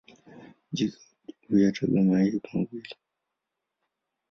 Jike huyataga mayai mawili.